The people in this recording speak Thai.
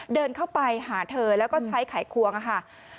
เดินเข้าไปหาเธอแล้วก็ใช้ไขควงค่ะ